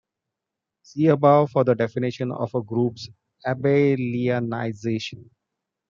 See above for the definition of a group's abelianization.